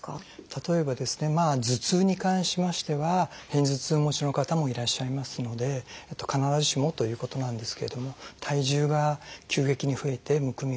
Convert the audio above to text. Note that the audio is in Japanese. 例えば頭痛に関しましては片頭痛持ちの方もいらっしゃいますので必ずしもということなんですけれども体重が急激に増えてむくみがある。